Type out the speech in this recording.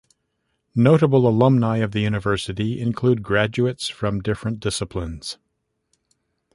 Notable alumni of the University include graduates from different disciplines.